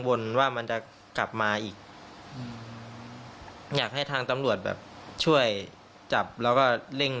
วนว่ามันจะกลับมาอีกอยากให้ทางตำรวจแบบช่วยจับแล้วก็เร่ง